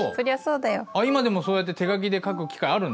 今でもそうやって手書きで書く機会あるんだ。